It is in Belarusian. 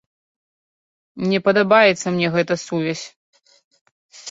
Не падабаецца мне гэта сувязь.